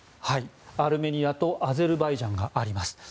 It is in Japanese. アルメニアとアゼルバイジャンがあります。